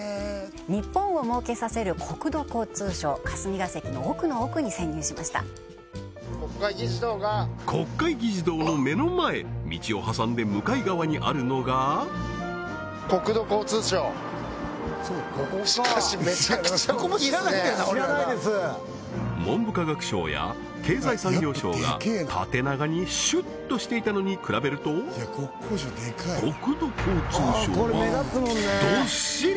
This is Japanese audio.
日本を儲けさせる国土交通省霞が関の奥の奥に潜入しました国会議事堂の目の前道を挟んで向かい側にあるのが国土交通省しかし文部科学省や経済産業省が縦長にシュッとしていたのに比べると国土交通省はどっしり！